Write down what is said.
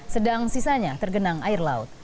sedang sisanya tergenang air laut